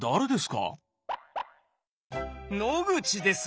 野口ですよ。